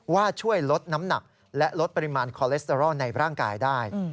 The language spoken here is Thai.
ช่วยลดน้ำหนักและลดปริมาณคอเลสเตอรอลในร่างกายได้